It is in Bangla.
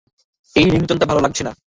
এই রিংটোনটা ভালো লাগছে না।